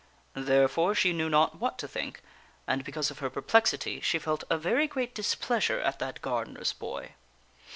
Therefore she knew not what to think, and, because of her perplexity, she felt a very great displeasure at that gardener's boy.